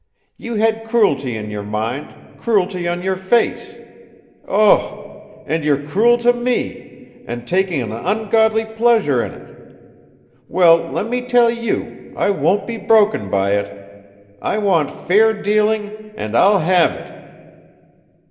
You had cruelty in your mind, cruelty on your face. Ugh! And you're cruel to me and taking an ungodly pleasure in it! Well, let me tell you, I won't be broken by it. I want fair dealing, and I'll have it!"